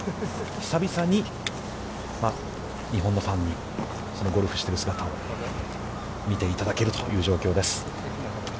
久々に日本のファンにそのゴルフしている姿を見ていただけるという状況です。